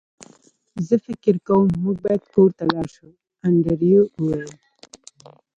زه فکر کوم موږ باید کور ته لاړ شو انډریو وویل